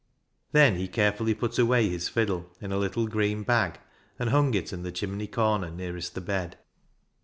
Then he carefully put away his fiddle in a little green bag and hung it in the chimney corner nearest the bed.